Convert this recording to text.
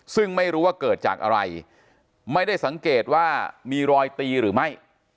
ซึ่งไม่รู้ว่าเกิดจากอะไรไม่ได้สังเกตว่ามีรอยตีหรือไม่